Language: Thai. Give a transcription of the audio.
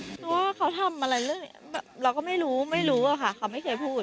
เพราะว่าเขาทำอะไรเรื่องนี้เราก็ไม่รู้ไม่รู้อะค่ะเขาไม่เคยพูด